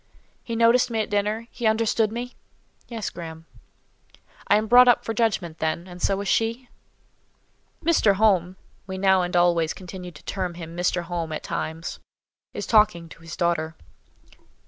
"He noticed me at dinner? He understood me?" "Yes, Graham." "I am brought up for judgment, then, and so is she?" "Mr. Home" (we now and always continued to term him Mr. Home at times) "is talking to his daughter."